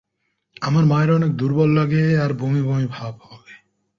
আমার মায়ের অনেক দূর্বল লাগে আর বমি বমি ভাব হয়।